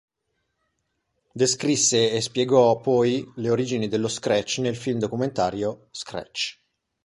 Descrisse e spiegò poi le origini dello scratch nel film documentario "Scratch".